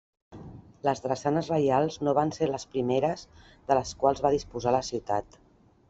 Les drassanes reials no van ser les primeres de les quals va disposar la ciutat.